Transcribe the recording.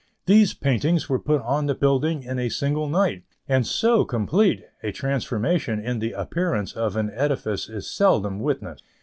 These paintings were put on the building in a single night, and so complete a transformation in the appearance of an edifice is seldom witnessed.